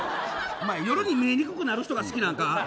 夜に見えにくくなる人が好きなんか？